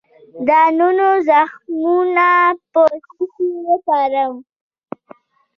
د ونو زخمونه په څه شي وتړم؟